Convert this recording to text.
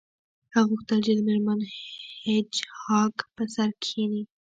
هغه غوښتل چې د میرمن هیج هاګ په سر کښینی